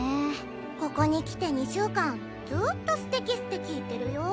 ここに来て２週間ずっと「すてきすてき」言ってるよ。